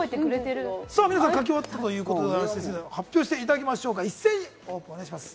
皆さん、書き終わったということですけれども発表していただきましょう、一斉にお願いします。